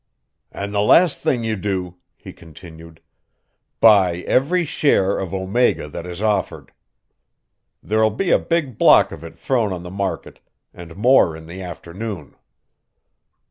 "And the last thing you do," he continued, "buy every share of Omega that is offered. There'll be a big block of it thrown on the market, and more in the afternoon.